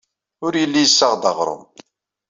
Ur yelli yessaɣ-d aɣrum.